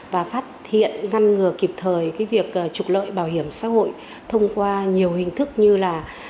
và phát hiện ngăn ngừa kịp thời việc trục lợi bảo hiểm xã hội thông qua nhiều hình thức như là